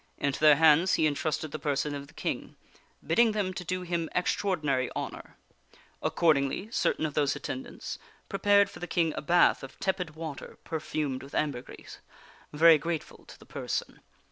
Into their hands he intrusted the person of the King, bidding them to do him extra ordinary honor. Accordingly, certain of those attendants prepared for the King a bath of tepid water perfumed with ambergris, very grateful to the person.